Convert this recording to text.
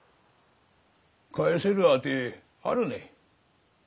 返せる当てあるね？